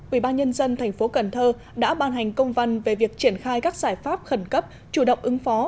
ubnd tp cần thơ đã ban hành công văn về việc triển khai các giải pháp khẩn cấp chủ động ứng phó